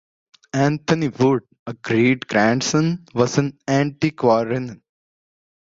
Anthony Wood, a great-grandson, was an antiquarian.